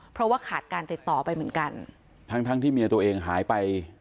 เพราะว่าขาดการติดต่อไปเหมือนกันทั้งทั้งที่เมียตัวเองหายไป